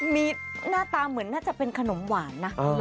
มีหน้าตาเหมือนน่าจะเป็นขนมหวานนะ